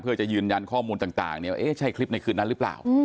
เพื่อจะยืนยันข้อมูลต่างเนี่ยเอ๊ะใช่คลิปในคืนนั้นหรือเปล่า